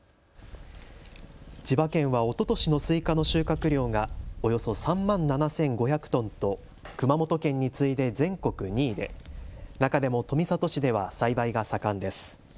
千葉県はおととしのスイカの収穫量がおよそ３万７５００トンと熊本県に次いで全国２位で中でも富里市では栽培が盛んです。